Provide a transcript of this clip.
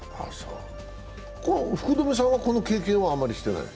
福留さんは、この経験はあまりしてない？